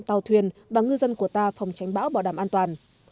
tàu thuyền và ngư dân của ta phòng tránh bão bảo đảm an toàn